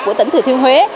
công an tỉnh thừa thiên huế